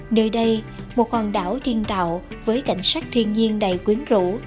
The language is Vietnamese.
nơi đây một hòn đảo thiên tạo với cảnh sắc thiên nhiên đầy quyến rũ